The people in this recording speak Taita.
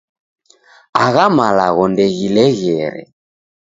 Agha malagho ndeghileghere.